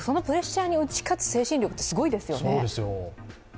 そのプレッシャーに打ち勝つ精神力ってすごいですね。